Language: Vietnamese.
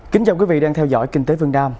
kính chào quý vị đang theo dõi kinh tế vương nam